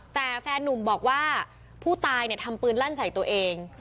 แต่แฟนนุ่มบอกว่าผู้ตายเนี่ยทำปืนลั่นใส่ตัวเอง